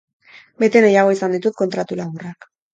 Beti nahiago izan ditut kontratu laburrak.